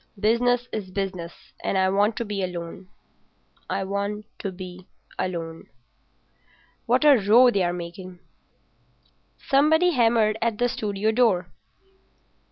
Business is business, and I want to be alone—I want to be alone. What a row they're making!" Somebody hammered at the studio door.